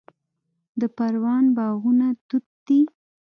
د پروان باغونه توت دي